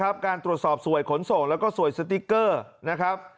พิศาจการตรวจสอบสวยขนศมและสวยสติกเกอร์นะครับ